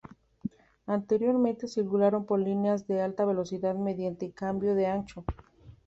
Anteriormente circularon por líneas de alta velocidad mediante cambio de ancho.